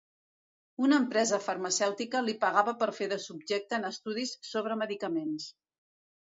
Una empresa farmacèutica li pagava per fer de subjecte en estudis sobre medicaments.